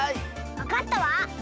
わかったわ！